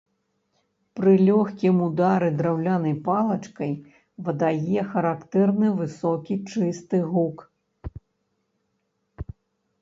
Пры лёгкім ўдары драўлянай палачкай выдае характэрны высокі чысты гук.